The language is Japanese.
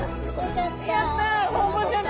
やった！